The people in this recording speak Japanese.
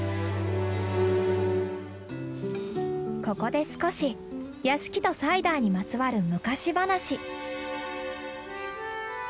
ここで少し屋敷とサイダーにまつわる昔話。